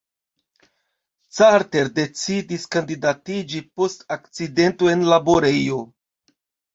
Carter decidis kandidatiĝi post akcidento en laborejo.